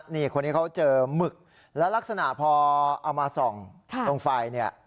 นี่คนนี้เขาเจอหมึกแล้วลักษณะพอเอามาส่องตรงไฟเนี่ย